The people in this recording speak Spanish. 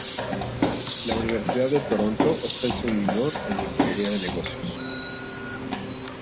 La Universidad de Toronto ofrece un minor en ingeniería de negocios.